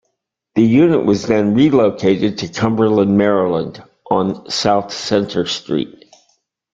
The unit was then relocated to Cumberland, Maryland on South Centre Street.